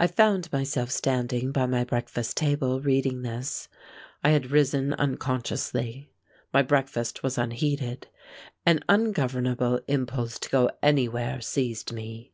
I found myself standing by my breakfast table reading this. I had risen unconsciously. My breakfast was unheeded. An ungovernable impulse to go anywhere seized me.